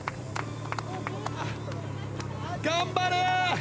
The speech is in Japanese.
頑張れ！